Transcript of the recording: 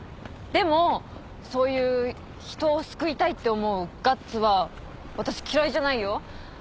でもそういう人を救いたいって思うガッツは私嫌いじゃないよ。